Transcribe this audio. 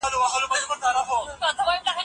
د ساینسي څيړني طریقه بېله ده.